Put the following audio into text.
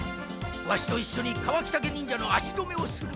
ワシといっしょにカワキタケ忍者の足止めをする。